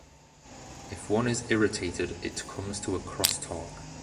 If one is irritated, it comes to a crosstalk.